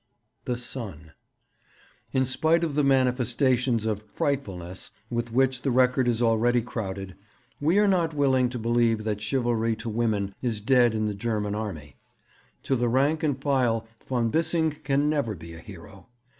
The Sun. 'In spite of the manifestations of "frightfulness" with which the record is already crowded, we are not willing to believe that chivalry to women is dead in the German army. To the rank and file von Bissing can never be a hero.